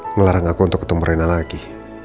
melarang aku untuk ketemu rena lagi